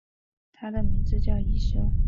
他的名字叫一休。